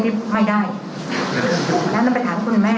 มมไม่ได้นั้นต้องไปถามคุณแม่